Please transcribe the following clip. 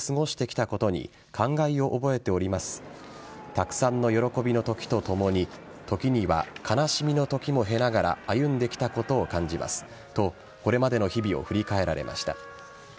たくさんの喜びの時とともに時には悲しみの時も経ながら歩んできたことを感じますと、これまでの日々を振り返られました。